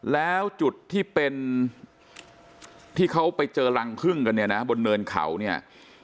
แล้วจุดที่เป็นที่เขาไปเจอรังพึ่งกันเนี่ยนะบนเนินเขาเนี่ย